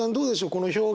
この表現。